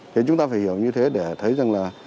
thì chúng ta phải hiểu như thế để thấy rằng là